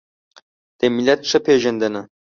د ملت ښه پېژندنه